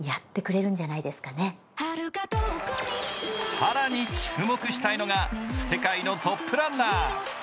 更に注目したいのが世界のトップランナー。